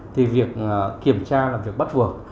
thì việc kiểm tra là việc bắt buộc